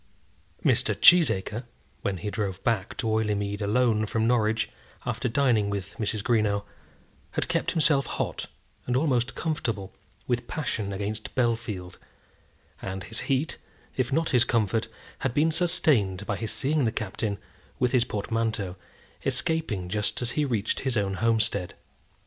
Mr. Cheesacre, when he drove back to Oileymead alone from Norwich, after dining with Mrs. Greenow, had kept himself hot, and almost comfortable, with passion against Bellfield; and his heat, if not his comfort, had been sustained by his seeing the Captain, with his portmanteau, escaping just as he reached his own homestead.